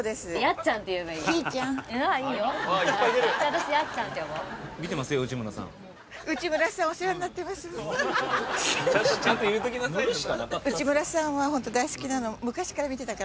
ちゃんと言っときなさい。